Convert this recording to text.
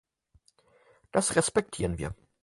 Das respektieren wir.